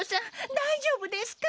だいじょうぶですか？